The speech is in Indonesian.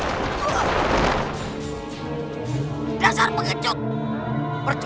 hari ini rupanya terjadi karena kuvanku